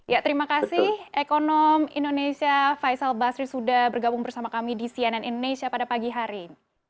ya terima kasih ekonom indonesia faisal basri sudah bergabung bersama kami di cnn indonesia pada pagi hari